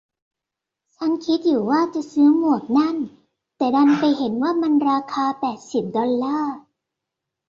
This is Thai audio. ฉันคิดอยู่ว่าจะซื้อหมวกนั่น แต่ดันไปเห็นว่ามันราคาแปดสิบดอลลาร์